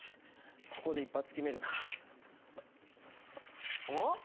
ここで一発決めるかおっ？